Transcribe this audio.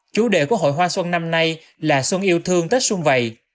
chủ đề của hội hoa xuân năm nay là xuân yêu thương tết xuân vầy